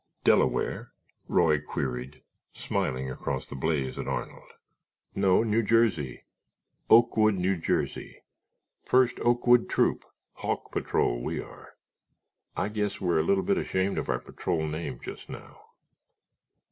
"Delaware?" Roy queried, smiling across the blaze at Arnold. "No, New Jersey—Oakwood, New Jersey—First Oakwood Troop—Hawk Patrol, we are. I guess we're a little bit ashamed of our patrol name just now."